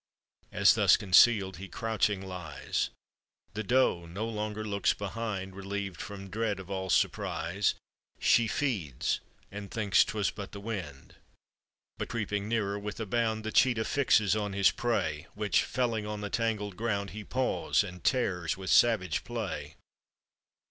As, thus concealed, he crouching lies, The doe no longer looks behind; Reliev'd from dread of all surprise She feeds and thinks 'twas but the wind. But, creeping nearer, with a bound The cheetah fixes on his prey, Which, felling on the tangled ground, He paws and tears with savage play.